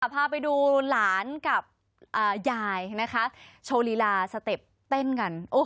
พาไปดูหลานกับยายนะคะโชว์ลีลาสเต็ปเต้นกัน